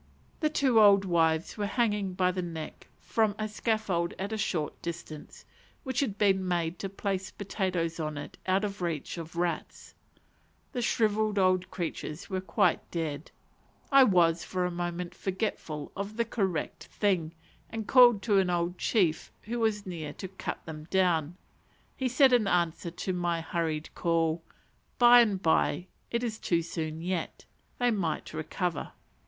The two old wives were hanging by the neck from a scaffold at a short distance, which had been made to place potatoes on out of the reach of rats. The shrivelled old creatures were quite dead. I was for a moment forgetful of the "correct" thing, and called to an old chief, who was near, to cut them down. He said, in answer to my hurried call, "By and by; it is too soon yet: they might recover."